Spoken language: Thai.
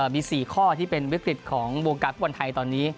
มี๔ข้อที่เป็นวิกฤตของวงการฟุตบอลไทยตอนนี้